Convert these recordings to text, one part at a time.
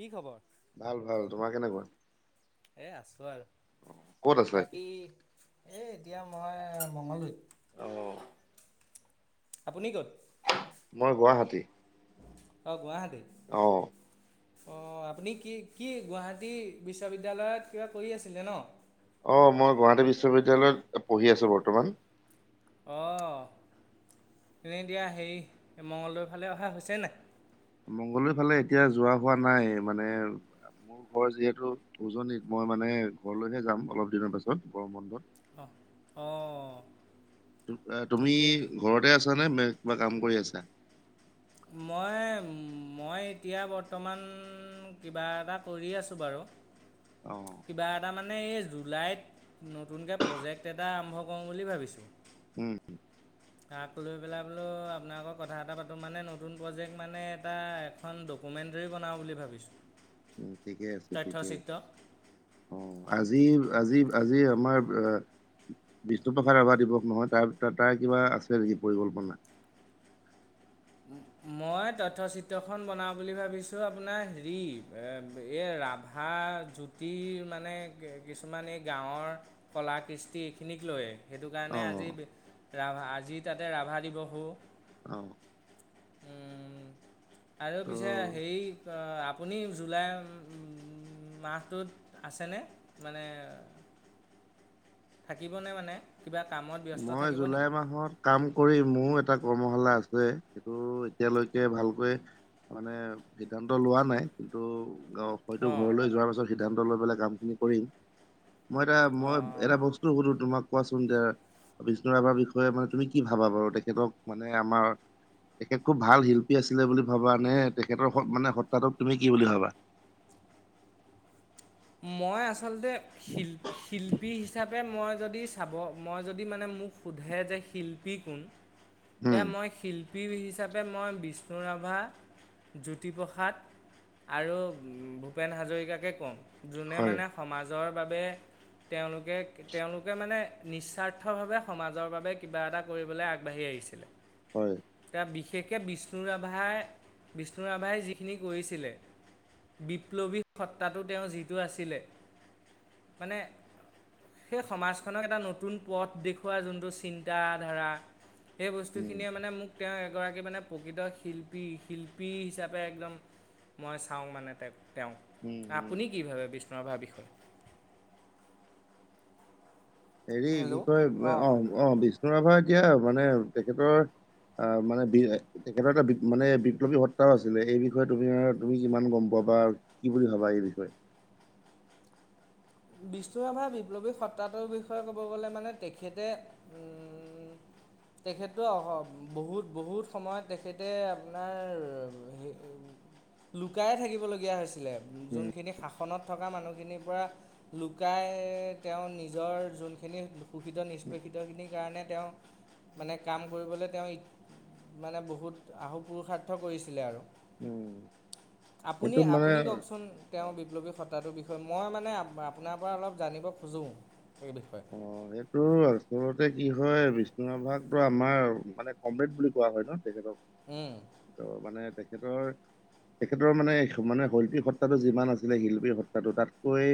কি খবৰ ভাল ভাল তোমাৰ কেনেকুৱা এ আছো আৰু ক'ত আছা এতিয়া? বাকী এ এতিয়া মই মঙলদৈত অহ আপুনি ক'ত মই গুৱাহাটী অহ গুৱাহাটীত অহ অহ আপুনি কি কি গুৱাহাটী বিশ্ববিদ্যালয়ত কিবা কৰি আছিলে ন অহ মই গুৱাহাটী বিশ্ববিদ্যালয়ত পঢ়ি আছোঁ বৰ্তমান অহ তুমি এতিয়া হেৰি এ মঙ্গলদৈৰ ফালে অহা হৈছে নাই। মঙ্গলদৈৰ ফালে এতিয়া যোৱা হোৱা নাই মানে। মোৰ ঘৰ যিহেতু উজনিত মই মানে ঘৰলৈহে যাম অলপ দিনৰ পাছত গৰম বন্ধত। অহ অহ তুমি ঘৰতে আছা নে কিবা কাম কৰি আছা। মই মই এতিয়া বৰ্তমান কিবা এটা কৰি আছো বাৰু অহ কিবা এটা মানে এই জুলাইত নতুনকে প্ৰজেক্ট এটা আৰম্ভ কৰোঁ বুলি ভাবিছোঁ। উম তাক লৈ পেলাই বোলো আপোনাৰলগত কথা এটা পাতো মানে নতুন নতুন প্ৰজেক্ট মানে এটা এখন ডকুমেণ্টেৰী বনাওঁ বুলি ভাবিছোঁ। উম ঠিকে আছে ঠিকে তথ্যচিত্ৰ আছে অহ আজি আজি আজি আমাৰ আহ বিষ্ণুপ্ৰসাদ ৰাভা দিৱস নহয় তাৰ তাৰ কিবা আছে নেকি পৰিকল্পনা। উম উম মই তথ্যচিত্ৰখন বনাওঁ বুলি ভাবিছোঁ আপোনাৰ হেৰি এই ৰাভা জত জাতিৰ মানে কিছুমান এই গাঁৱৰ কলা কৃষ্টি এইখিনিক লৈয়ে সেইটো অ কাৰণে আজি ৰাভা আজি তাতে ৰাভা দিৱসো অহ আৰু পিছে ত হেৰি অহ আপুনি জুলাই মাহটোত আছেনে মানে থাকিবনে মানে কিবা কামত ব্যস্ত মই থাকিব জুলাই নেকি মাহত কাম কৰি মোৰ এটা কৰ্মশালা আছে সেইটো এতিয়ালৈকে ভালকৈ মানে সিদ্ধান্ত লোৱা নাই কিন্তু গাঁও হয়তো অঁ ঘৰলৈ যোৱাৰ পাছত সিদ্ধান্ত লৈ পেলাই কামখিনি কৰিম মই এটা মই অঁ এটা বস্ত বস্তু শুধু তোমাক কোৱাচোন এতিয়া বিষ্ণু ৰাভাৰ বিষয়ে মানে তুমি কি ভাবা বাৰু তেখেতক মানে আমাৰ তেখেত খুব ভাল শিল্পী আছিলে বুলি ভাবা নে তেখেতৰ মানে সত্তাটোক তুমি কি বুলি ভাবা? মই আচলতে শিল শিল্পী হিচা পে মই যদি চাব, মই যদি মানে মোক সোধে যে শিল্পী কোন উম এয়া মই শিল্পী হিচাপে মই বিষ্ণু ৰাভা, জোতি প্ৰসাদ আৰু ভূপেন হাজৰিকাকে কওঁ, যোনে হয়। মানে সমাজৰ বাবে তেওঁলোকে, তেওঁলোকে মানে নিস্বাৰ্থভাৱে সমাজৰ বাবে কিবা এটা কৰিবলৈ আগবাঢ়ি আহিছে। [unintelligible] হয়। এতিয়া বিশেষকৈ বিষ্ণু ৰাভায়, বিষ্ণু ৰাভায় যিখিনি কৰিছিলে। বিপ্লৱী সত্ৰাটো তেওঁ যিটো আছিলে, মানে সেই সমাজ খনক এটা নতুন পদ দেখুৱায় যোনটো চিন্তা ধাৰা সেই উম বস্তুখিনিয়ে মানে মোক তেওঁ এগৰাকী মানে প্ৰকৃত শিল্পী শিল্পী হিচাপে একদম মই চাওঁ মানে তেওঁক তেওঁক। উম উম আপুনি কি ভাবে বিষ্ণুু ৰাভা বিষয়ে? হেৰি কি হেল্ল' কয় অঁ অ অঁ অ বিষ্ণু ৰাভা এতিয়া মানে তেখেতৰ অ মানে বি তেখেতৰ এটা মানে বিপ্লৱী সত্ৰাও আছিলে, এই বিষয়ে তুমি তুমি যিমান গ'ম পোৱা বা কি বুলি ভাবা এই বিষয়ে? বিষ্ণু ৰাভাই বিপ্লৱী সত্ৰাটোৰ বিষয়ে ক'ব গ'লে মানে তেখেতে উম [inaudible] তেখেতো বহুত বহুত সময়ত তেখেতে আপোনাৰ হে লুকাই থাকিব লগীয়া হৈছিলে উম, যোনখিনি শাসনত থকা মানুহখিনিৰ পৰা লুকাই তেওঁ নিজৰ যোনখিনি শোষিত নিষ্পেষিতখিনিৰ কাৰণে তেওঁ মানে কাম কৰিবলৈ তেওঁ মানে বহুত আহু পুৰুষাৰ্থ কৰিছিলে আৰু। উম, আপুনি সেইটো মানে আপুনি কওঁক চোন তেওঁ বিপ্লৱী সতাটোৰ বিষয়ে মই মানে আপোনাৰ পৰা অলপ জানিব খোজোঁ এই বিষয়ে। হয় এইটো আচলতে কি হয় বিষ্ণু ৰাভাক তো আমাৰ মানে কমৰেড বুলি কোৱা হয় ন তেখেতক। উম। ত মানে তেখেতৰ তেখেতৰ মানে শৈল্পী সত্ৰাটো যিমান আছিলে শিল্পী সত্ৰাটো তাতকৈ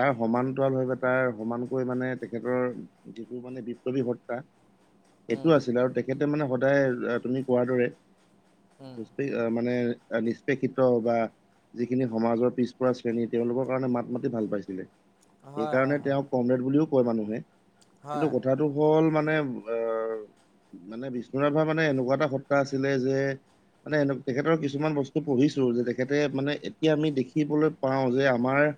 তাৰ সমান্তৰল ভাবে তাৰ সমান তকৈ মানে তেখেতৰ যিটো মানে বিপ্লৱী সত্ৰা উম, সেইটো আছিল আৰু তেখেতে মানে সদায় তুমি কোৱাৰ দৰে, উম। মানে নিষ্পেষিত বা যিখিনি সমাজৰ পিছপৰা শ্ৰেণী তেওঁলোকৰ কাৰণে মাত মাতি ভাল পাইছিলে। হয় হয় সেইকাৰণে হয় তেওঁক কমৰেড বুলিও কয় মানুহে, হয় কিন্তু কথাটো হ'ল মানে আহ, মানে বিষ্ণু ৰাভা মানে এনেকুৱা এটা সত্ৰা আছিলে যে মানে এনে তেখেতৰ কিছুমান বস্তু পঢ়িছো যে তেখেতে মানে এতিয়া আমি দেখিবলৈ পাওঁ যে আমাৰ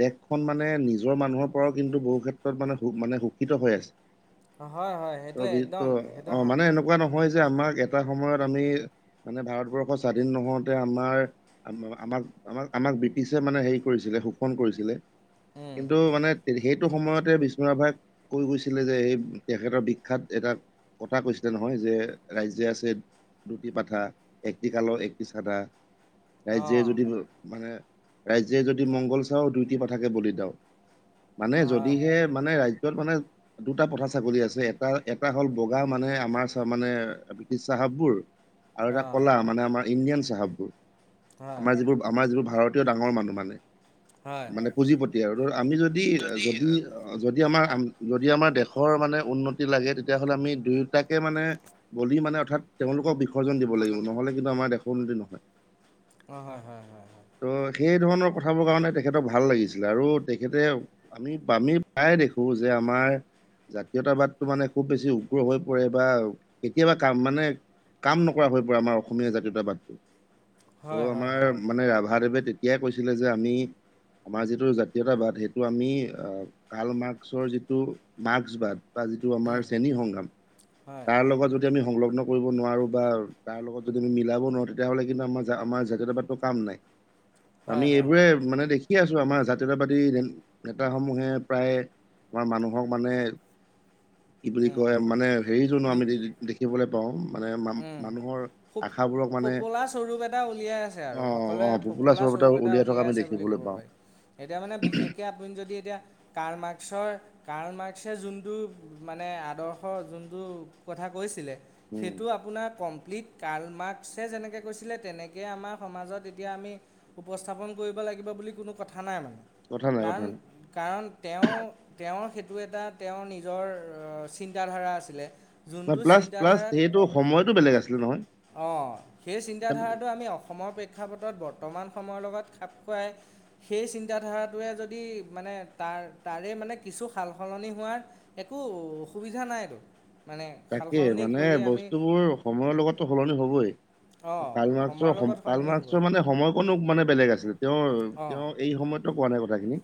দেশখন মানে নিজৰ মানুহৰ পৰাও কিন্তু বহু ক্ষেত্ৰত মানে মানে শোষিত হৈ আছে। হয় হয় সেইটোৱে একদম ত সেইটো অ হা মানে এনেকুৱা নহয় যে আমাক এটা সময়ত আমি মানে ভাৰতবৰ্ষ স্বাধীন নহওঁতে আমাৰ আমাক আমাক আমাক ব্ৰিটিছে মানে হেৰি কৰিছিলে শাসন কৰিছিলে উম, কিন্তু মানে তে- সেইটো সময়তে বিষ্ণু ৰাভাই কৈ গৈছিলে যে এই তেখেতৰ বিখ্যাত এটা কথা কৈছিলে নহয় যে, ৰাজ্যে আছে দুইটি পাঠা- একটি কলো একটি সাদা। ৰাইজে অঁ যদি মানে, ৰাইজে যদি মংগল চাও দুইটি পথাকে বলিযাওঁ। মানে হয় যদিহে মানে ৰাজ্যত মানে দুটা পথা ছাগলী আছে এটা এটা হ'ল বগা মানে আমাৰ সমানে ব্ৰিটিশ চাহাববোৰ আৰু এটা অঁ ক'লা মানে আমাৰ ইণ্ডিয়ান চাহাববোৰ, হয় আমাৰ যিবোৰ আমাৰ যিবোৰ ভাৰতীয় ডাঙৰ মানুহ মানে, হয় মানে পুঁজিপতি আৰু ধৰ আমি যদি দি যদি অ যদি আমাৰ, যদি আমাৰ দেশৰ মানে উন্নতি লাগে তেতিয়াহ'লে আমি দুয়ো তাকে মানে বলি মানে অৰ্থাৎ তেওঁলোকক বিসৰ্জন দিব লাগিব, নহ'লে কিন্তু আমাৰ দেশ উন্নতি নহয়৷ অ' হয় হয় হয় হয়৷ তো সেই ধৰণৰ কথাবোৰ কাৰণে তেখেতক ভাল লাগিছিলে আৰু তেখেতে আমি আমি প্ৰায়ে দেখো যে আমাৰ জাতীয়তাবাদটো মানে খুব বেছি উগ্ৰ হৈ পৰে বা কেতিয়াবা কাম মানে কাম নকৰা হৈ পৰে আমাৰ অসমীয়া জাতীয়তাবাদটো, হয় হয় ত' হয় আমাৰ হয় মানে ৰাভাদেৱে তে তেতিয়াই কৈছিলে যে আমি, আমাৰ যিটো জাতীয়তাবাদ সেই টো আমি অ' কাল মাৰ্ক্সৰ যিটো মাৰ্ক্সবাদ বা যিটো আমাৰ উম, শ্ৰেণী সংগ্ৰাম, হয় তাৰ লগত যদি যদি আমি সংলগ্ন কৰিব নোৱাৰোঁ বা তাৰ লগত যদি আমি মিলাব নোৱাৰোঁ, তেতিয়াহ'লে কিন্তু আমাৰ, আমাৰ জাতীয়তাবাদটো কাম নাই৷ [inaudible] আমি হয় হয় এইবোৰে মানে দেখি আছো আমাৰ জাতীয়তাবাদী নেতাসমূহে প্ৰায়, আমাৰ মানুহক মানে কি বুলি উম, কয় মানে হেৰিজনো আমি বি [unintelligible] দেখিবলৈ পাওঁ মানে উম মা-মানুহৰ ফো আশাবোৰক মানে, ফোপোলা স্বৰূপ এটা উলিয়াই আছে আৰু অ' সকলোৱে অ' ফোপোলা চৰূপ এটা স্বৰূপ উলিয়াই থকা আমি আছে বুলি ক'ব দেখিবলৈ পাওঁ৷ পাৰি। এতিয়া মানে বিশেষকে আপুনি যদি এতিয়া কাল মাক্সৰ কাৰ্ল মাৰ্ক্সে যোনটো মানে আদৰ্শ, যোনটো কথা কৈছিলে উম৷ সেইটো আপোনাৰ কমপ্লিট কাল মাৰ্ক্সে যেনেকৈ কৈছিলে, তেনেকৈ আমাৰ সমাজত এতিয়া আমি উপস্থাপন কৰিব লাগিব বুলি কোনো কথা নাই মানে, কথা নাই কথা কাৰণ নাই কাৰণ তেওঁ, তেওঁৰ সেইটো এটা, তেওঁৰ নিজৰ চিন্তাধাৰা আছিলে৷ যোনটো প্লাছ, প্লাছ, চিন্তাধাৰাত সেইটো সময়তটো বেলেগ আছিলে নহয়৷ অঁ সেই চিন্তাধাৰাটো আমি অসমৰ প্ৰেক্ষাপটত বৰ্তমান সময়ৰ লগত খাপ খুৱাই সেই চিন্তাধাৰাটোৱে যদি মানে তাৰ, তাৰে মানে কিছু সাল সলনি হোৱাৰ একো অসুবিধা নাইতো। মানে সাল তাকে সলনি মানে কৰি আমি বস্তুবোৰ সময়ৰ লগতো সলনি হ'বই৷ অঁ' কালমাক্সৰ সময়ৰ সম, লগত সলনি হ'বই কালমাৰ্কসৰ মানে সময়কণো মানে বেলেগ আছিলে তেওঁ, তেওঁ এই সময়ত কোৱা নাই কথাখিনি।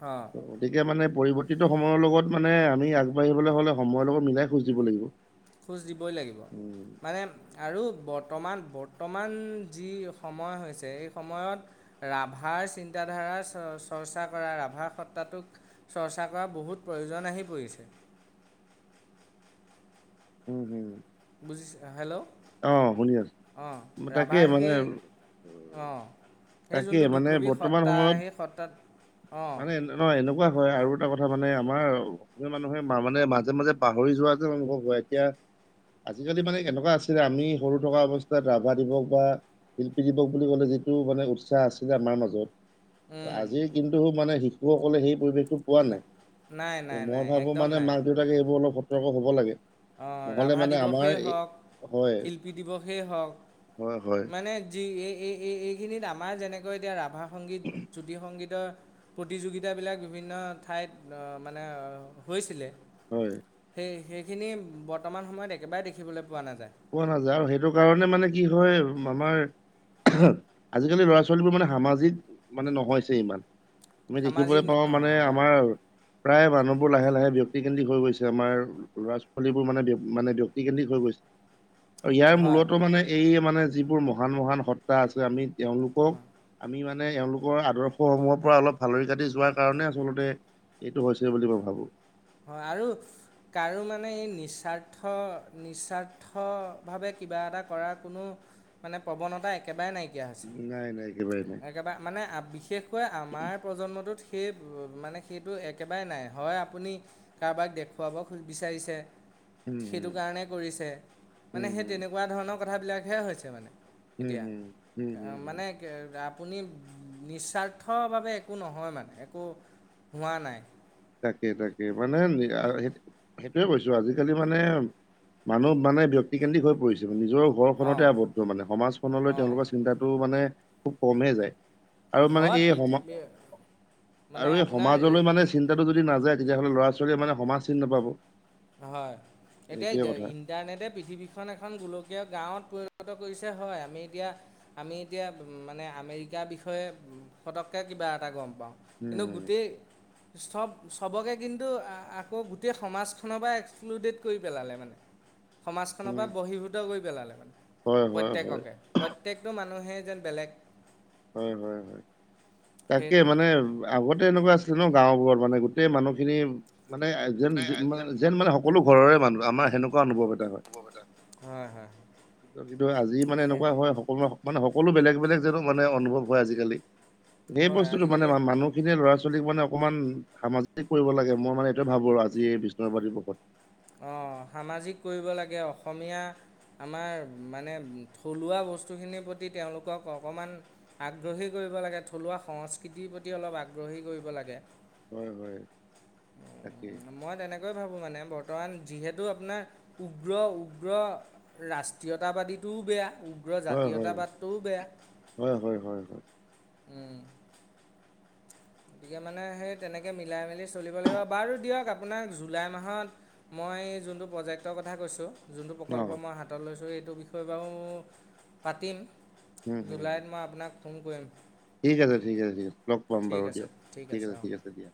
অ' গতিকে মানে পৰিৱৰ্তিত সময়ৰ লগত মানে আমি আগবাঢ়িবলৈ হলে, সময়ৰ লগত মিলাই খোজ দিব লাগিব৷ খোজ দিবই লাগিব, মানে আৰু বৰ্তমান, বৰ্তমান যি সময় হৈছে, এই সময়ত ৰাভাৰ চিন্তাধাৰা চ চৰ্চা কৰা, ৰাভাৰ সত্তাটোক চৰ্চা কৰা বহুত প্ৰয়োজন আহি পৰিছে৷ উম, উম৷ বুজিছ হেল্ল'? আছো, অঁ' তাকে ৰাভাৰ মানে সেই, অ' সেই তাকে যোনটো মানে বিপ্লৱী বৰ্তমান সত্তা সময়ত সেই সত্তাত, অঁ মানে নহয় এনেকুৱা হয় আৰু এটা কথা মানে আমাৰ মানুহে মানুহে ভা মানে মাজে মাজে পাহৰি যোৱা যেন অনুভৱ হয় এতিয়া, আজিকালি মানে কেনেকুৱা আছ [unintelligible] আমি সৰু থকা অৱস্থাত ৰাভা দিৱস বা শিল্পী দিৱস বুলি ক'লে যিটো মানে উৎসাহ আছিল আমাৰ মাজত উম, আজি কিন্তু মানে শিশুসকলে সেই পৰিৱেশটো পোৱা নাই, না- নাই নাই ত নাই মই ভাবো একদম মানে নাই মাক - দেউতাকে এইবোৰ অলপ সতৰ্ক হব লাগে। অঁ নহ'লে ৰাভা মানে আমাৰ দিৱসেই এই হওঁক, হয়, শিল্পী দিৱসেই হওঁক হয়, হয়, মানে যি এই এই এই এইখিনিত আমাৰ যেনেকৈ এতিয়া ৰাভা সংগীত, জ্যোতি সংগীতৰ প্ৰতিযোগিতাবিলাক বিভিন্ন ঠাইত অ মানে হৈছিলে। হয়। সেই সেইখিনি বৰ্তমান সময়ত একেবাৰে দেখিবলৈ পোৱা নাযায়। পোৱা নাযায় আৰু সেইটো কাৰণে মানে কি হয় আমাৰ অহ, আজিকালি ল'ৰা - ছোৱালীবোৰ মানে সামাজিক মানে নহয়ছে ইমান। মই দেখিবলৈ সামাজিক পাওঁ মানে নহয় হয় আমাৰ প্ৰায় মানুহবোৰ লাহে লাহে ব্যাক্তিকেন্দ্ৰিক হৈ গৈছে আমাৰ ল'ৰা - ছোৱালীবোৰ মানে ব্য মানে ব্যক্তিকেন্দ্ৰিক হৈ গৈছে। আৰু ইয়াৰ হয় মূলত মানে এই মানে যিবোৰ মহান মহান সত্তা আছে আমি তেওঁলোকক হয় আমি মানে এওঁলোকৰ আদৰ্শসমূহৰ পৰা অলপ ফালৰি কাটি যোৱাৰ কাৰণে আচলতে এইটো হৈছে বুলি মই ভাবোঁ। হয় আৰু কাৰো মানে এই নিস্বাৰ্থ নিস্বাৰ থ ভাৱে কিবা এটা কৰাৰ কোনো মানে প্ৰৱণতা একেবাৰে নাই কিয়া হৈছে, নাই নাই একেবাৰে নাই। একেবাৰে মানে আ বিশ শেষকৈ আমাৰ প্ৰজন্মটোত সেই মানে সেইটো একেবাৰে নাই হয় আপুনি কাৰোবাক দেখুৱাব খো বিচাৰিছে উম, সেইটো কাৰণে কৰিছে উম, মানে উম, সেই উম। তেনে কোৱা ধৰণৰ কথাবিলাকহে হৈছে মানে উম, এতিয়া উম, উম, কা উম, উম, মানে কে আপুনি নিস্বাৰ্থভাৱে একো নহয় মানে একো হোৱা নাই। তাকে তাকে মানে [unintelligible] সেইটোয়ে কৈছো আজিকালি মানে মানুহ মানে ব্যক্তিকেন্দ্ৰিক হৈ পৰিছে নিজৰ অঁ ঘৰখনতে আৱদ্ধ মানে সমাজখনলৈ অঁ তেওঁলোকৰ চিন্তাটো মানে খুব কমহে যায়। আৰু মানে হয় এই পৃথি সম মানে আৰু এই আপোনাৰ সমাজলৈ মানে চিন্তাটো যদি নাযায় তেতিয়াহ'লে ল'ৰা - ছোৱালীয়ে মানে সমাজ চিন নাপাব। অ হয় এতিয়াই সেইটোৱে দ কথা ইন ইণ্টাৰনেটে পৃথিৱীখন এখন গোলকীয় গাঁৱত পৰিণত কৰিছে হয় আমি এতিয়া আমি এতিয়া মানে আমেৰিকাৰ বিষয়ে উম ফতককৈ কিবা এটা গম পাওঁ। উম, কিন্তু উম, গোটেই চব চবকে কিন্তু আ আকৌ গোটেই সমাজ খনৰ পৰা এক্সক্লুডেড কৰি পেলালে মানে। সমাজখনৰ উম, পৰা বহিঃভূত কৰি পেলালে মানে হয়, হয়, হয়, প্ৰত্যেককে। প্ৰত্যেকটো মানুহে যেন বেলেগ হয় হয় হয় তাকে সেইটোৱে মানে আগতে এনেকুৱা আছিলে ন গাঁওবোৰত মানে গোটেই মানুহখিনি মানে যেন যে মানে যেন মানে সকলো সকলো ঘৰৰে মানুহ আমাৰ সেনেকুৱা অনুভৱ হয়। হ'ব এটা হয় হয় [unintelligible] কিন্তু আজি মানে সেয়া এনেকুৱা হয় সকলো মানে সকলো বেলেগ বেলেগজন মানে অনুভৱ হয় আজিকালি সেই হয় বস্তুটো মানে আজিকালি মানুহ সেইখিনি ল'ৰা ছোৱালীক মানে অকণমান সামাজিক কৰিব লাগে, মই মানে এইটোয়ে ভাবো আৰু আজি বিষ্ণু ৰাভা দিৱসত। অঁ সামাজিক কৰিব লাগে অসমীয়া আমাৰ মানে থলুৱা বস্তুখিনিৰ প্ৰতি তেওঁলোকক অকণমান আগ্ৰহী কৰিব লাগে থলুৱা সংস্কৃতিৰ প্ৰতি অলপ আগ্ৰহী কৰিব লাগে। হয় হয় তাকেই। মই তেনেকৈয়ে ভাবো মানে বৰ্ত বৰ্তমান যিহেতু আপোনাৰ উগ্ৰ উগ্ৰ ৰাষ্ট্ৰীয়তাবাদীটোও বেয়া উগ্ৰ হয় হয় জাতীয়তাবাদটোও বেয়া। হয় হয় হয় হয়। উম। গতিকে মানে সেই তেনেকে মিলাই মেলি চলিব লাগিব বাৰু দিয়ক আপোনাক জুলাই মাহত মই যোনটো প্ৰজেক্টৰ কথা কৈছোঁ যোনটো প্ৰকল্প অ' মই হাতত লৈছোঁ সেইটো বিষয়ে বাৰু পাতিম। হুম হুম হুম। জুলাইত মই আপোনাক ফোন কৰিম। ঠিক আছে, ঠিক আছে, ঠিক আছে, লগ পাম ঠিক বাৰু আছে দিয়ক, ঠিক আছে, অঁ ঠিক আছে, দিয়া।